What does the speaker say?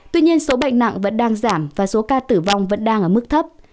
tuy nhiên số bệnh nặng vẫn đang giảm và số ca tử vong vẫn đang ở mức thấp